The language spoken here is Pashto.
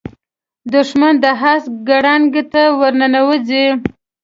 دښمن د حسد ګړنګ ته ورننوځي